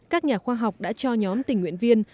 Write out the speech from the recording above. các nhà khoa học đã cho nhóm tình nguyện viên